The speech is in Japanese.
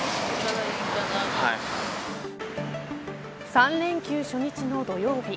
３連休初日の土曜日